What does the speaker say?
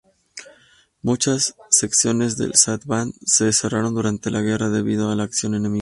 Muchas secciones del S-Bahn se cerraron durante la guerra debido a la acción enemiga.